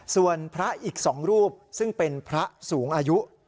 ส่วนพระอีก๒รูปซึ่งเป็นพระสูงอายุ